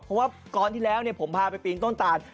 เพราะว่าก่อนที่แล้วผมพาไปปีนต้นตาน